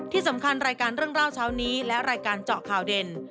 ที่สำคัญรายการเรื่องเล่าเช้านี้และรายการเจาะข่าวเด่น